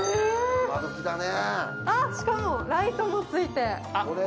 しかも、ライトもついて。